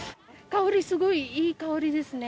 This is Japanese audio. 香り、すごいいい香りですね。